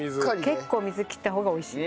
結構水切った方が美味しい。